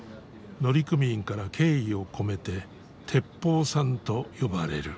乗組員から敬意を込めててっぽうさんと呼ばれる。